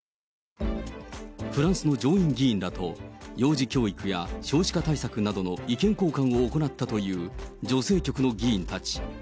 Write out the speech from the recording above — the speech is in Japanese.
フランスの上院議員らと幼児教育や少子化対策などの意見交換を行ったという女性局の議員たち。